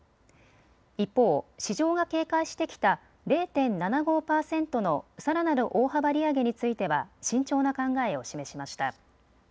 一方、市場が警戒してきた０．７５％のさらなる大幅利上げについては慎重な考えを示しました。